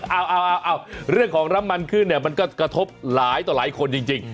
เอาเรื่องของน้ำมันขึ้นเนี่ยมันก็กระทบหลายต่อหลายคนจริง